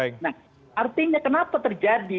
nah artinya kenapa terjadi